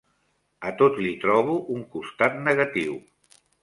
A tot li trobo un costat negatiu.